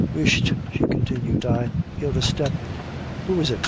Whisht," she continued, "I hear a step who is it?